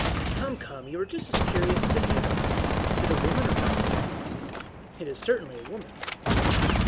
"Come, come, you are just as curious as any of us. Is it a woman or not?" "It is certainly a woman."